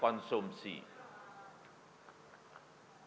kekuatan besar dari pemasok terbesar